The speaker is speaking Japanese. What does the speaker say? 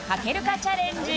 チャレンジ